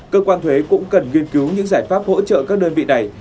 cơ quan thuế cũng cần nghiên cứu những giải pháp hỗ trợ các đơn vị này